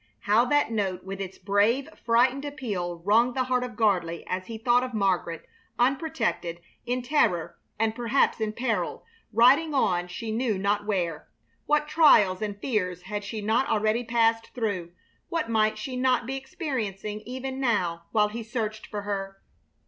How that note with its brave, frightened appeal wrung the heart of Gardley as he thought of Margaret, unprotected, in terror and perhaps in peril, riding on she knew not where. What trials and fears had she not already passed through! What might she not be experiencing even now while he searched for her?